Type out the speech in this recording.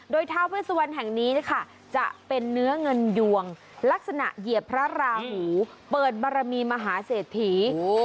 โดยท้าเวสวันแห่งนี้นะคะจะเป็นเนื้อเงินยวงลักษณะเหยียบพระราหูเปิดบารมีมหาเศรษฐี